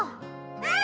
うん！